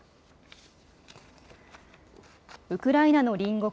ウクライナの隣国